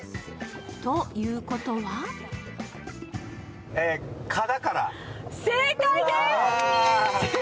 ということは正解です！